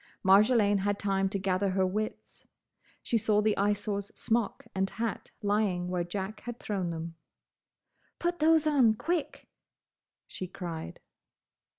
Marjolaine had time to gather her wits. She saw the Eyesore's smock and hat lying where Jack had thrown them. "Put those on! Quick!" she cried.